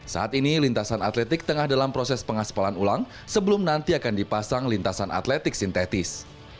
saat ini lintasan atletik tengah dalam proses pengaspalan ulang sebelum nanti akan dipasang lintasan atletik sintetis